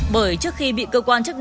bởi trước khi bị cơ quan chức năng